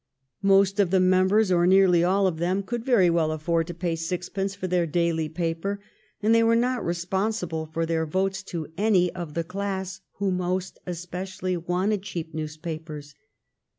Most of the members, or nearly all of them, could very well afford to pay sixpence for their daily paper, and they were not responsible for their votes to any of the class who most especially wanted cheap newspapers.